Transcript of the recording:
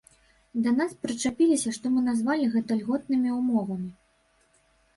Да нас прычапіліся што мы назвалі гэта льготнымі ўмовамі.